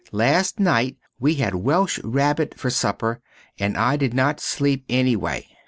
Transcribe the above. Last nite we had welsh rabit fer super and I did not sleep enny way.